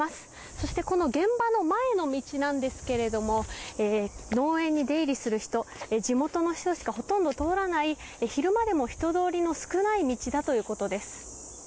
そして現場の前の道なんですけど農園に出入りする人地元の人しかほとんど通らない昼間でも人通りの少ない道だということです。